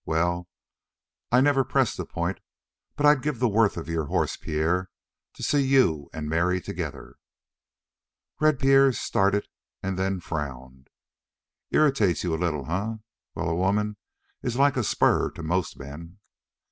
Well, I never press the point, but I'd give the worth of your horse, Pierre, to see you and Mary together." Red Pierre started, and then frowned. "Irritates you a little, eh? Well, a woman is like a spur to most men."